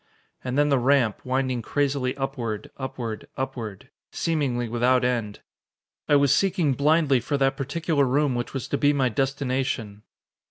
And then the ramp, winding crazily upward upward upward, seemingly without end. I was seeking blindly for that particular room which was to be my destination.